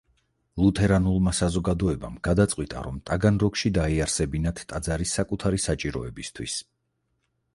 ლუთერანულმა საზოგადოებამ გადაწყვიტა, რომ ტაგანროგში დაეარსებინათ ტაძარი საკუთარი საჭიროებისთვის.